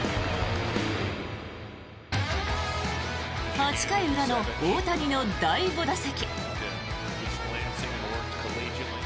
８回裏の大谷の第５打席。